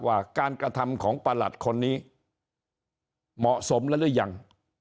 ว่าการกระทำของประหลัดคนนี้เหมาะสมแล้วหรือยัง